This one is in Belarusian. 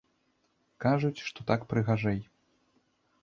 Кажуць, што так прыгажэй.